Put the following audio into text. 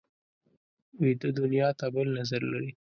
ویده دنیا ته بل نظر لري